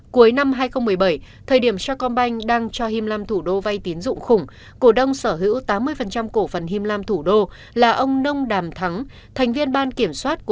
cuối năm hai nghìn một mươi bảy thời điểm sa công banh đang cho him lam thủ đô vay tiến dụng khủng cổ đông sở hữu tám mươi cổ phần him lam thủ đô là ông nông đàm thắng thành viên ban kiểm soát của him lam group